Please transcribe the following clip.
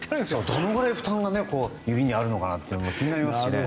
どのぐらい負担が指にあるのかなって気にありますよね。